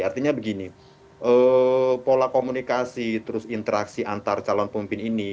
artinya begini pola komunikasi terus interaksi antar calon pemimpin ini